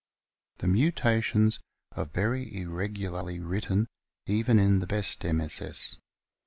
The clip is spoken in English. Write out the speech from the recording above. The mutations are very irregularly written even in the best MSS.